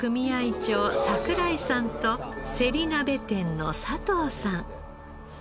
長櫻井さんとせり鍋店の佐藤さん。